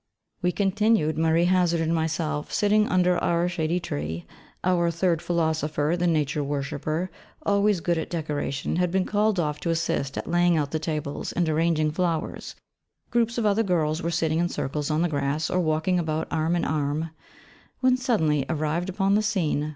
We continued, Marie Hazard and myself, sitting under our shady tree; our third philosopher, the Nature worshipper, always good at decoration, had been called off to assist at laying out the tables, and arranging flowers; groups of other girls were sitting in circles on the grass or walking about arm in arm, when suddenly arrived upon the scene M.